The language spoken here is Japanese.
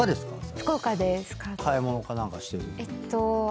買い物か何かしてるとき？